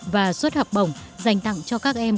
và suất hợp bổng dành tặng cho các em